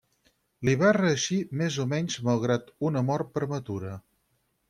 Li va reeixir més o menys malgrat una mort prematura.